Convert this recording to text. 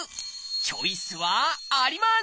チョイスはあります！